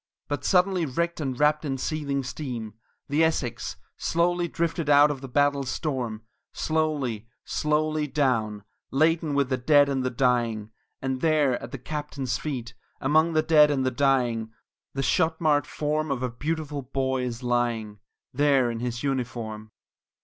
But suddenly wrecked and wrapt in seething steam, the Essex Slowly drifted out of the battle's storm; Slowly, slowly down laden with the dead and the dying; And there, at the captain's feet, among the dead and the dying, The shot marred form of a beautiful boy is lying There in his uniform!